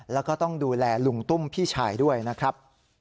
แล้วก็ต้องดูแลลุงตุ้มพี่ชายด้วยนะครับ